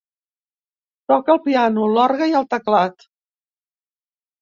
Toca el piano, l'orgue, i el teclat.